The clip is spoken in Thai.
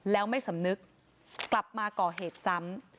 แล้วไม่สำนึกกลับมาก่อเหตุซ้ำ